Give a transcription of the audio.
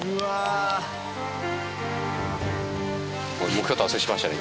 目標達成しましたね